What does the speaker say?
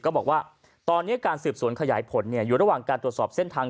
บอกว่าตอนนี้การสืบสวนขยายผลอยู่ระหว่างการตรวจสอบเส้นทาง